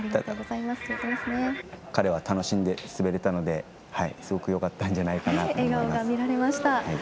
彼は楽しんで滑れたのですごくよかったんじゃないかなと思います。